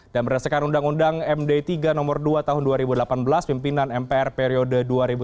dan berdasarkan undang undang md tiga no dua tahun dua ribu delapan belas pimpinan mpr periode dua ribu sembilan belas dua ribu dua puluh empat